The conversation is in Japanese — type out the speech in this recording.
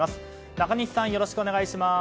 中西さん、よろしくお願いします。